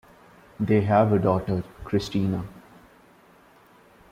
They have a daughter, Christina.